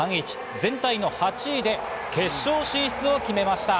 全体の８位で決勝進出を決めました。